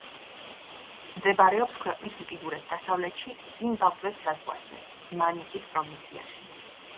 მდებარეობს ქვეყნის უკიდურეს დასავლეთში ზიმბაბვეს საზღვარზე, მანიკის პროვინციაში.